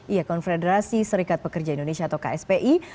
iya konfederasi serikat pekerja indonesia atau kspi